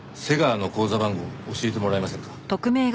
瀬川の口座番号教えてもらえませんか？